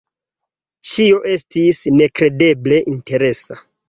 Ĉio estis nekredeble interesa.